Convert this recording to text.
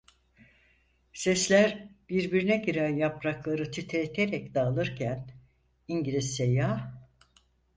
Sesler, birbirine giren yaprakları titreterek dağılırken İngiliz seyyah: